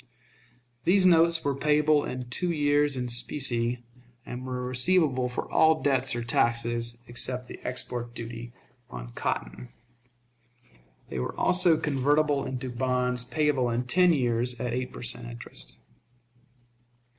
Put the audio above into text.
These notes were payable in two years in specie, and were receivable for all debts or taxes except the export duty on cotton. They were also convertible into bonds payable in ten years at eight per cent. interest.